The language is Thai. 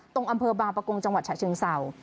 อำเภอบางประกงจังหวัดฉะเชิงเศร้า